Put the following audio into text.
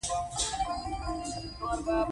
د ښه نیت خبرې برکت لري